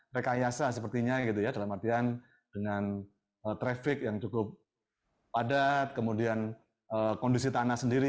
rekayasa sepertinya gitu ya dalam artian dengan traffic yang cukup padat kemudian kondisi tanah sendiri